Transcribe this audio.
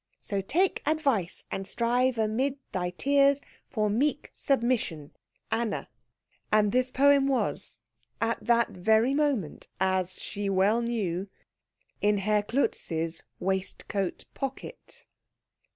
So take advice, and strive amid Thy tears for meek submission. ANNA. And this poem was, at that very moment, as she well knew, in Herr Klutz's waistcoat pocket.